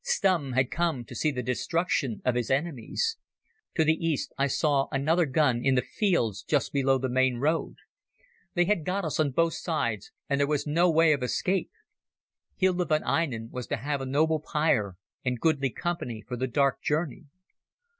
Stumm had come to see the destruction of his enemies. To the east I saw another gun in the fields just below the main road. They had got us on both sides, and there was no way of escape. Hilda von Einem was to have a noble pyre and goodly company for the dark journey.